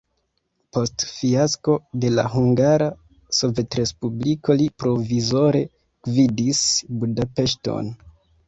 Post fiasko de la Hungara Sovetrespubliko li provizore gvidis Budapeŝton.